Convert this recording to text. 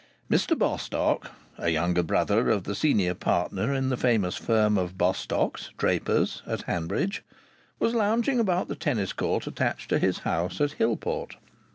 Mr Bostock (a younger brother of the senior partner in the famous firm of Bostocks, drapers, at Hanbridge) was lounging about the tennis court attached to his house at Hillport.